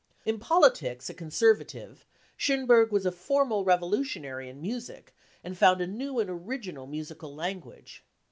In politics a conservative, Schonberg was a formal revolutionary in music, and found a new and original musical language.